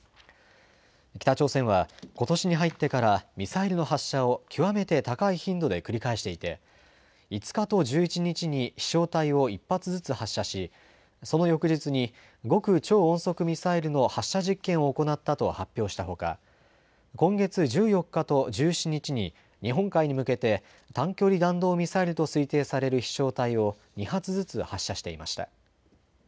北朝鮮はことしに入ってからミサイルの発射を極めて高い頻度で繰り返していて５日と１１日に飛しょう体を１発ずつ発射し、その翌日に極超音速ミサイルの発射実験を行ったと発表したほか今月１４日と１７日に日本海に向けて短距離弾道ミサイルと推定される飛しょう体を２発ずつ発射していました。